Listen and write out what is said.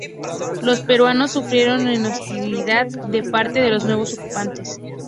Los peruanos sufrieron de hostilidad de parte de los nuevos ocupantes.